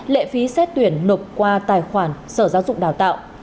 lệ phí xét tuyển nộp qua tài khoản sở giáo dục đào tạo